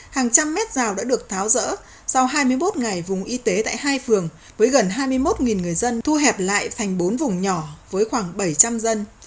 hàng trăm mét rào đã được tháo rỡ sau hai mươi một ngày vùng y tế tại hai phường với gần hai mươi một người dân thu hẹp lại thành bốn vùng nhỏ với khoảng bảy trăm linh dân